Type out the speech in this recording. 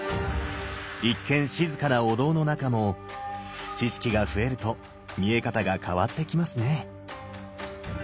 一見静かなお堂の中も知識が増えると見え方が変わってきますね。